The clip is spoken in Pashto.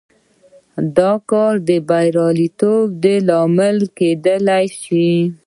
دا کار د بریالیتوب لامل کېدای شي.